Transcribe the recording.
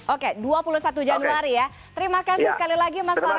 oke dua puluh satu januari ya terima kasih sekali lagi mas farou